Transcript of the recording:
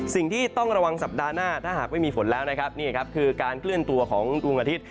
สิ่งที่ต้องระวังสัปดาห์หน้าถ้าหากไม่มีฝนแล้วนะครับนี่ครับคือการเคลื่อนตัวของดวงอาทิตย